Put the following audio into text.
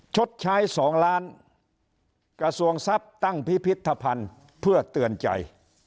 ชดใช้๒ล้านกระทรวงทรัพย์ตั้งพิพิธภัณฑ์เพื่อเตือนใจ